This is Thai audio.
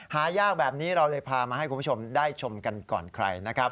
หายากแบบนี้เราเลยพามาให้คุณผู้ชมได้ชมกันก่อนใครนะครับ